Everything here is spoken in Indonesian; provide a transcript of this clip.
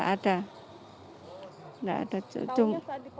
setahunya saat dipotong